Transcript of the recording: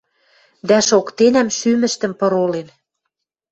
Дӓ шоктенӓм шӱмӹштӹм пыролен —